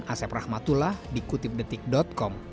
asep rahmatullah di kutipdetik com